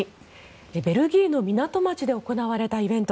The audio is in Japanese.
ベルギーの港町で行われたイベント